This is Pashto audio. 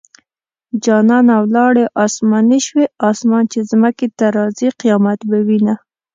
جانانه ولاړې اسماني شوې - اسمان چې ځمکې ته راځي؛ قيامت به وينه